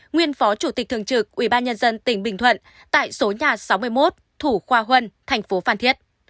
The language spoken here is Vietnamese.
nguyên phó chủ tịch thường trực ủy ban nhân dân tỉnh bình thuận tại số nhà sáu mươi một thủ khoa huân thành phố phan thiết